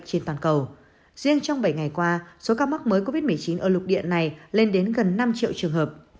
trên toàn cầu riêng trong bảy ngày qua số ca mắc mới covid một mươi chín ở lục địa này lên đến gần năm triệu trường hợp